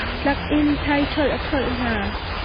Tlak in ṭhaiṭholh a ṭholh hna.